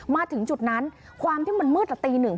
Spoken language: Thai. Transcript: มาถึงจุดนั้นความที่มันมืดละตีหนึ่ง